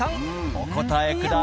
お答えください。